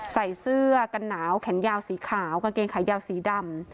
ใส่เสื้อกันหนาวแขนยาวสีขาวกางเกงขายาวสีดำ